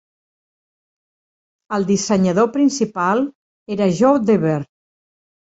El dissenyador principal era Joe Dever.